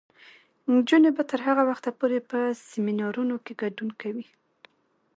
نجونې به تر هغه وخته پورې په سیمینارونو کې ګډون کوي.